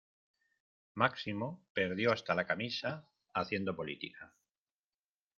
Máximo perdió hasta la camisa, haciendo política.